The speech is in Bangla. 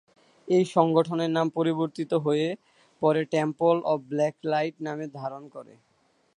এই সংগঠনের নাম পরিবর্তিত হয়ে পরে টেম্পল অব ব্ল্যাক লাইট নাম ধারণ করে।